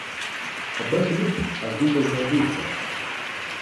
Коби хліб, а зуби знайдуться.